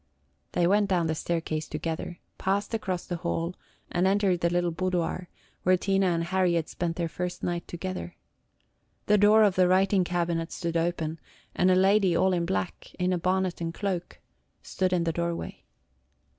They went down the staircase together, passed across the hall, and entered the little boudoir, where Tina and Harry had spent their first night together. The door of the writing cabinet stood open, and a lady all in black, in a bonnet and cloak, stood in the doorway.